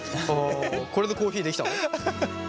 これでコーヒーできたの？